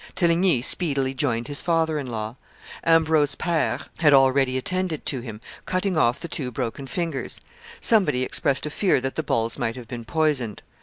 Teligny speedily joined his father in law. Ambrose Pare had already attended to him, cutting off the two broken fingers; somebody expressed a fear that the balls might have been poisoned.